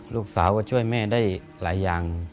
ลูกสาวก็ช่วยแม่ได้หลายอย่าง